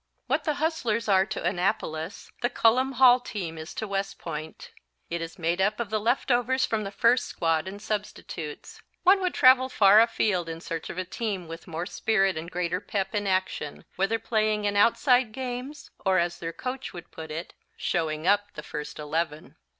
What the Hustlers are to Annapolis the Cullom Hall team is to West Point. It is made up of the leftovers from the first squad and substitutes. One would travel far afield in search of a team with more spirit and greater pep in action, whether playing in outside games, or as their coach would put it, "showing up" the first Eleven.